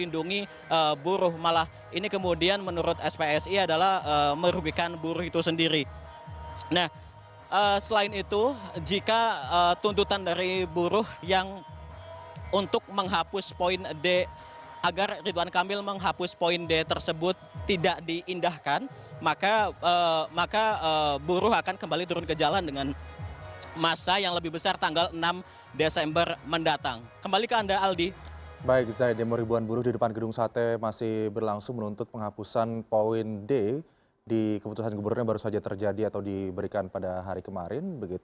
di keputusan gubernurnya baru saja terjadi atau diberikan pada hari kemarin